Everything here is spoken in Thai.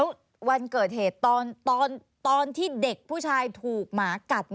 แล้ววันเกิดเหตุตอนที่เด็กผู้ชายถูกหมากัด